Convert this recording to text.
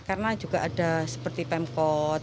karena juga ada seperti pemkot